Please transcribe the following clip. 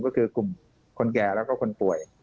ก็คือกลุ่มคนแก่แล้วก็คนป่วย